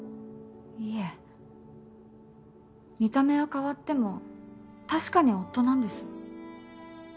いえ見た目は変わっても確かに夫なんです。